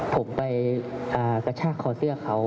ผมไปกระชากคอเสื้อเขา